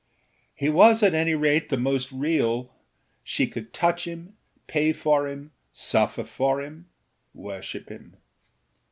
He was at any rate the most realâshe could touch him, pay for him, suffer for him, worship him.